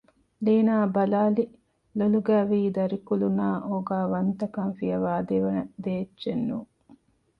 ލީނާއަށް ބަލައިލި ލޮލުގައިވީ ދަރިކުލުނާއި އޯގާވެރިކަން ފިޔަވައި ދެވަނަ ދޭއްޗެއް ނޫން